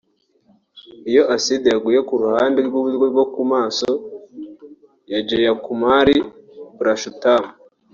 Iyo aside yaguye ku ruhande rw'uburyo rwo mu maso ya Jayakumar Purushottam